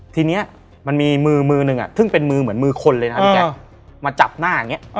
ทีนี้มันมีมือหนึ่งที่เป็นมือเหมือนมือคนเลยมันจับหน้าอย่างนี้